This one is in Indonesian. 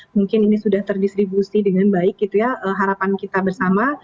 mungkin ini sudah terdistribusi dengan baik harapan kita bersama